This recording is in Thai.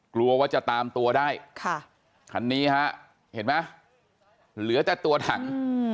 กลัวว่าจะตามตัวได้คันนี้ฮะเห็นไหมเหลือแต่ตัวถัง